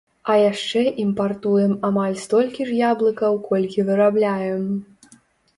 А яшчэ імпартуем амаль столькі ж яблыкаў, колькі вырабляем.